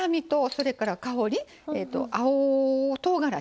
それから香り青とうがらし